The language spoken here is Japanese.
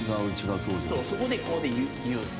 そこでここで言う。